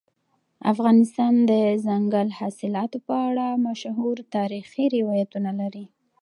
افغانستان د دځنګل حاصلات په اړه مشهور تاریخی روایتونه لري.